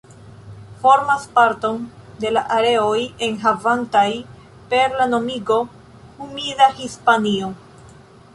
Formas parton de la areoj enhavantaj per la nomigo "humida Hispanio".